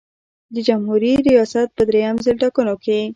د جمهوري ریاست په دریم ځل ټاکنو کې.